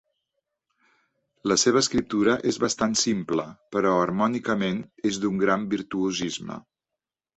La seva escriptura és bastant simple, però harmònicament és d'un gran virtuosisme.